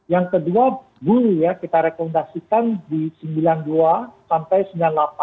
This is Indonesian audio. yang kedua dulu ya kita rekomendasikan di sembilan puluh dua sampai sembilan puluh delapan